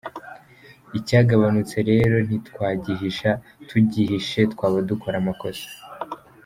Icyagabanutse rero ntitwagihisha, tugihishe twaba dukora amakosa.